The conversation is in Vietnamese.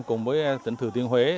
cùng với tỉnh thừa tiên huế